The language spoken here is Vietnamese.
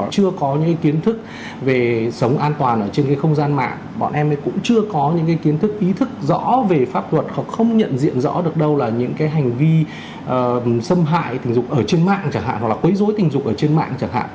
họ chưa có những kiến thức về sống an toàn ở trên không gian mạng bọn em ấy cũng chưa có những kiến thức ý thức rõ về pháp luật hoặc không nhận diện rõ được đâu là những cái hành vi xâm hại tình dục ở trên mạng chẳng hạn hoặc là quấy dối tình dục ở trên mạng chẳng hạn